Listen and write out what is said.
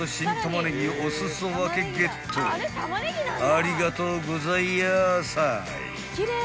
［ありがとうございやさい］